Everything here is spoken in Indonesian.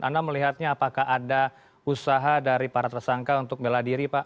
anda melihatnya apakah ada usaha dari para tersangka untuk bela diri pak